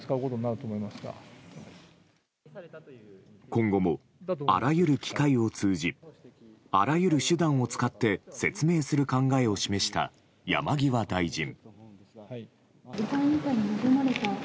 今後も、あらゆる機会を通じあらゆる手段を使って説明する考えを示した山際大臣。